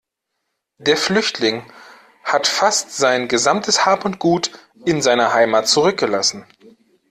Der Flüchtling hat fast sein gesamtes Hab und Gut in seiner Heimat zurückgelassen.